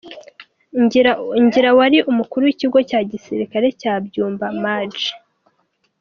Ngira wari Umukuru w’Ikigo cya Gisirikare cya Byumba, Maj.